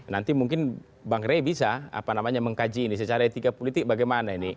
nanti mungkin bang rey bisa apa namanya mengkaji ini secara etika politik bagaimana ini